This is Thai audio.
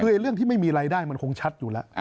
คือเรื่องที่ไม่มีรายได้มันคงชัดอยู่แล้ว